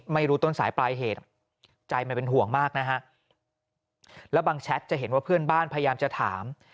ไม่รู้ต้นสายปลายเหตุใจมันเป็นห่วงมากนะฮะแล้วบางแชทจะเห็นว่าเพื่อนบ้านพยายามจะถาม